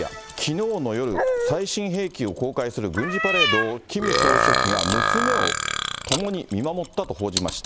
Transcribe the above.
さて、北朝鮮メディア、きのうの夜、最新兵器を公開する軍事パレードをキム総書記が娘を共に見守ったと報じました。